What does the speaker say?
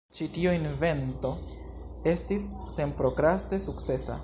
Ĉi tio invento estis senprokraste sukcesa.